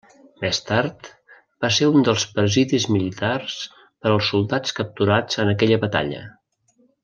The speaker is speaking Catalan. Més tard va ser un dels presidis militars per als soldats capturats en aquella batalla.